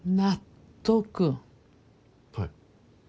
はい。